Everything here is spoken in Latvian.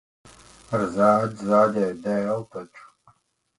Ar zāģi zāģēju dēli taču.